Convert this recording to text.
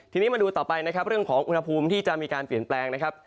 ทีนี้มาดูต่อไปนะครับเรื่องของอุณหภูมิที่จะมีการเปลี่ยนแปลงนะครับ